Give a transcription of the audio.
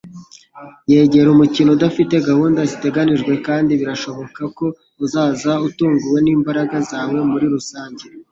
Yegera umukino udafite gahunda ziteganijwe kandi birashoboka ko uzaza utunguwe nimbaraga zawe muri rusange